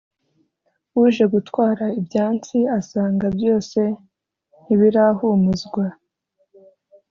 uje gutwara ibyansi Asanga byose ntibirahumuzwa